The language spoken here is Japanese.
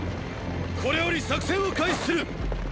これより作戦を開始する！！